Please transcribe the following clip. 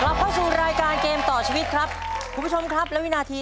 เข้าสู่รายการเกมต่อชีวิตครับคุณผู้ชมครับและวินาที